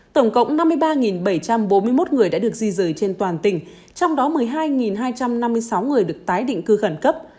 tổng cộng năm mươi ba bảy trăm bốn mươi một người đã được di rời trên toàn tỉnh trong đó một mươi hai hai trăm năm mươi sáu người được tái định cư khẩn cấp